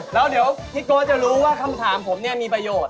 แล้วเดี๋ยวพี่โก๊จะรู้ว่าคำถามผมเนี่ยมีประโยชน์